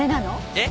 えっ？